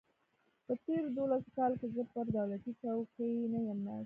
په تېرو دولسو کالو کې زه پر دولتي چوکۍ نه یم ناست.